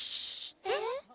えっ？